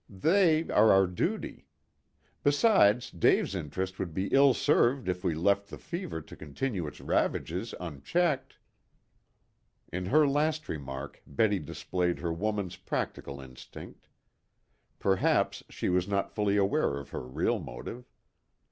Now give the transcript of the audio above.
They are our duty. Besides, Dave's interests would be ill served if we left the fever to continue its ravages unchecked." In her last remark Betty displayed her woman's practical instinct. Perhaps she was not fully aware of her real motive.